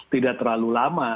tidak terlalu lama